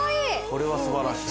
これは素晴らしい。